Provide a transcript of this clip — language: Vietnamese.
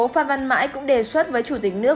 phan văn mãi cũng đề xuất với chủ tịch nước